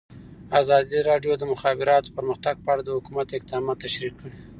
ازادي راډیو د د مخابراتو پرمختګ په اړه د حکومت اقدامات تشریح کړي.